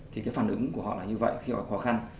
thì cái phản ứng của họ là như vậy khi họ khó khăn